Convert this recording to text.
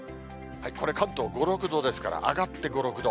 これ、関東５、６度ですから、上がって５、６度。